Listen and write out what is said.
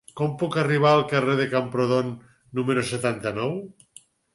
Com puc arribar al carrer de Camprodon número setanta-nou?